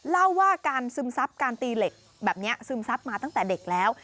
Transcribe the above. เล่าว่าการซึมซับการตีเหล็กแบบนี้ซึมซับมาตั้งแต่เด็กแล้ว